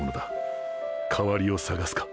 代わりをさがすか？